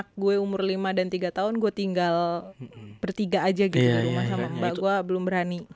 karena anak gue umur lima dan tiga tahun gue tinggal bertiga aja gitu di rumah sama mbak gue belum berani